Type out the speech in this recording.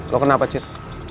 lo kenapa cid